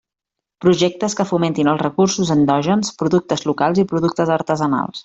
Projectes que fomentin els recursos endògens, productes locals i productes artesanals.